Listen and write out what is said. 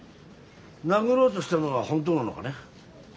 殴ろうとしたのは本当なのかね？